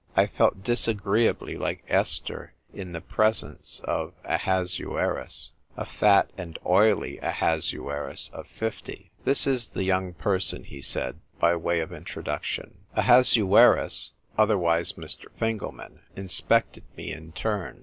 I felt disagreeably like Esther in the presence of Ahasueru.s — a fat and oily Ahasuerus of fifty. " This is the young person," he said, by way of intro duction. Ahasuerus — otherwise Mr. Fingelman — inspected me in turn.